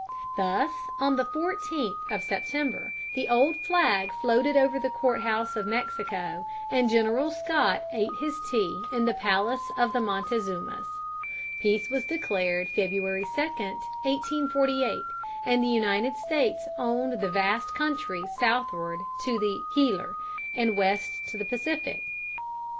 Thus on the 14th of September the old flag floated over the court house of Mexico, and General Scott ate his tea in the palace of the Montezumas. Peace was declared February 2, 1848, and the United States owned the vast country southward to the Gila (pronounced Heeler) and west to the Pacific Ocean.